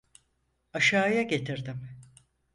Aşağıya getirdim.